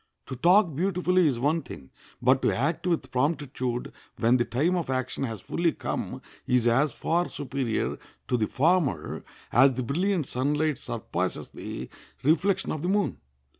To talk beautifully is one thing, but to act with promptitude when the time of action has fully come is as far superior to the former as the brilliant sunlight surpasses the reflection of the moon.